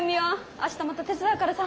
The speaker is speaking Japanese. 明日また手伝うからさ！